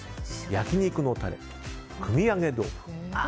焼き肉のタレ、くみ上げ豆腐。